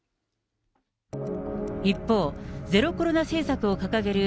一方、ゼロコロナ政策を掲げる